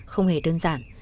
không hề đơn giản